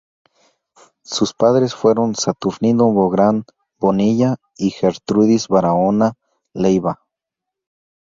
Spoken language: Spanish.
Sus padres fueron Saturnino Bográn Bonilla y Gertrudis Barahona Leiva.